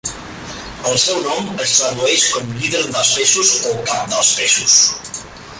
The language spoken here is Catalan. El seu nom es tradueix com "Líder dels peixos" o "Cap dels peixos".